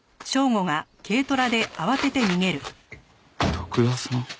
徳田さん。